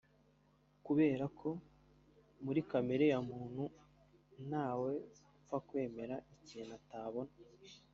Kubera ko muri kamere ya muntu ntawe upfa kwemera ikintu atabona